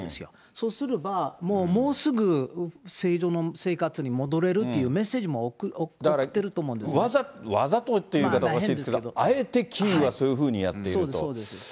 そうすれば、もうすぐ正常の生活に戻れるっていうメッセージも送ってると思うだからわざと、わざとっていう言い方おかしいですけど、あえてキーウはそういうふうにやってそうです。